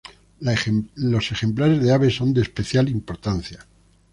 La ejemplares de aves son de especial importancia.